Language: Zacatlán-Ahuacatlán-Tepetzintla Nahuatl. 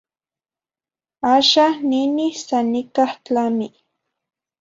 Axah ninih san nicah tlami.